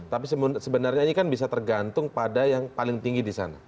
tapi sebenarnya ini kan bisa tergantung pada yang paling tinggi di sana